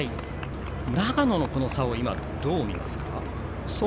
長野の、この差をどう見ますか。